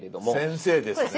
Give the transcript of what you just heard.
先生ですね。